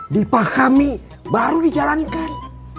dipahami baru dijalankan